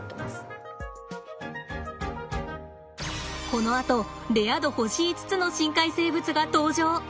このあとレア度星５つの深海生物が登場！